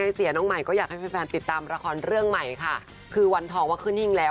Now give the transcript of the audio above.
อาจจะสนุกก็ได้นะค่ะ